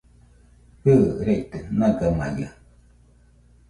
Jɨ, raite nagamaiaɨ